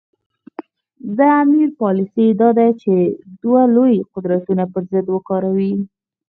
د امیر پالیسي دا ده چې دوه لوی قدرتونه پر ضد وکاروي.